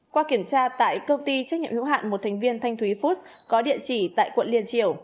qua kiểm tra tại công ty trách nhiệm hữu hạn một thành viên thanh thúy food có địa chỉ tại quận liên triều